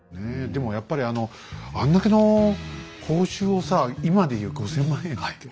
でもやっぱりあのあんだけの報酬をさ今で言う５，０００万円だっけ